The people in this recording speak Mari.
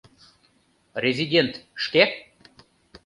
— Резидент шке?